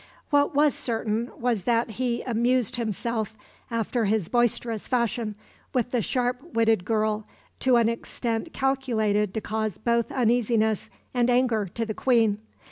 What was certain was that he amused himself, after his boisterous fashion, with the sharp witted girl to an extent calculated to cause both uneasiness and anger to the Queen.